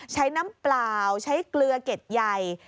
น้ำเปล่าใช้เกลือเก็ดใหญ่